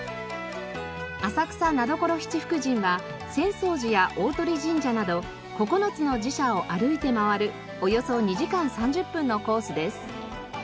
浅草名所七福神は浅草寺や鷲神社など９つの寺社を歩いて回るおよそ２時間３０分のコースです。